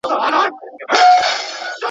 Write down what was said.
د زغم کلتور به زموږ په ټولنه کي بیا ژوندی سي.